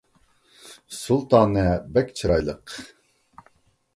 سۇلتانە بەك چىرايلىق